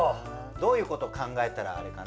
どういうこと考えたらあれかね